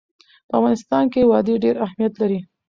په افغانستان کې وادي ډېر اهمیت لري.